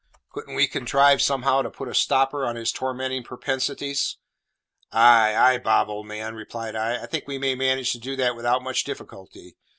Couldn't we contrive somehow to put a stopper on his tormentin' purpensities?" "Ay, ay, Bob, old man!" replied I; "I think we may manage to do that without much difficulty.